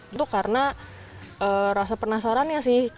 itu karena rasa penasarannya sih